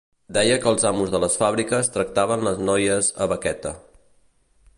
Deia que els amos de les fàbriques tractaven les noies a baqueta.